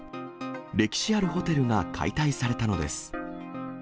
歴史あるホテルが解体されたのです。